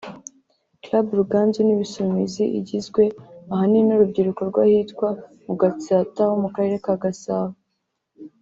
Club Ruganzu n’Ibisumizi igizwe ahanini n’urubyiruko rw’ahitwa mu Gatsata ho mu Karere ka Gasabo